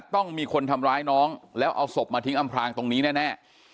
ต้องมีคนทำร้ายน้องแล้วเอาศพมาทิ้งอำพลางตรงนี้แน่